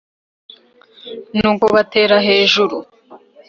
nuko batera hejuru